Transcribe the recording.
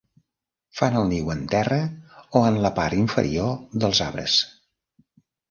Fan el niu en terra o en la part inferior dels arbres.